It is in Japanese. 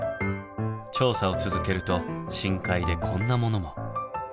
調査を続けると深海でこんなものも。